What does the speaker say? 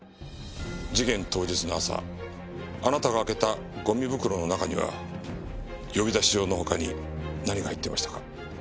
事件当日の朝あなたが開けたゴミ袋の中には呼び出し状の他に何が入っていましたか？